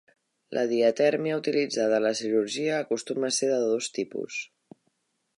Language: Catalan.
La diatèrmia utilitzada en la cirurgia acostuma ser de dos tipus.